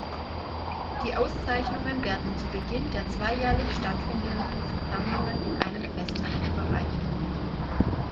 Die Auszeichnungen werden zu Beginn der zweijährlich stattfindenden Versammlungen in einem Festakt überreicht.